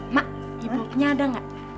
ma ibuknya ada nggak